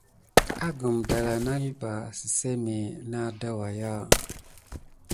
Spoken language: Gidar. Agum danla na kulɓa siseme nat da wakiya.